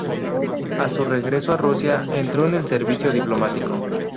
A su regreso a Rusia entró en el servicio diplomático.